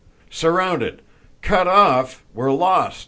"Surrounded! Cut off? We're lost!"